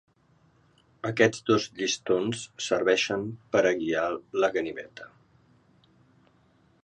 Aquests dos llistons serveixen per a guiar la ganiveta.